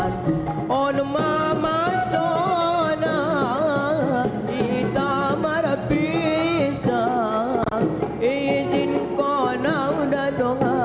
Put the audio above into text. terima kasih ust